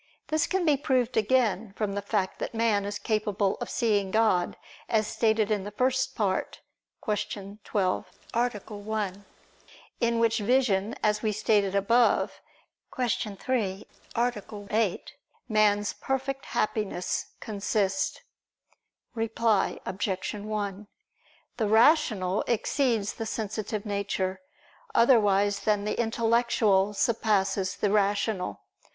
This can be proved again from the fact that man is capable of seeing God, as stated in the First Part (Q. 12, A. 1): in which vision, as we stated above (Q. 3, A. 8) man's perfect Happiness consists. Reply Obj. 1: The rational exceeds the sensitive nature, otherwise than the intellectual surpasses the rational.